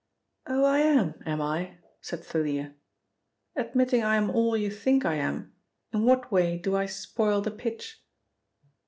"Oh, I am, am I?" said Thalia. "Admitting I am all you think I am, in what way do I spoil the pitch?"